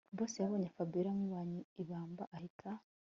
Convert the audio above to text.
Boss yabonye ko Fabiora amubereye ibamba ahita